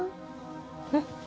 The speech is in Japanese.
えっ？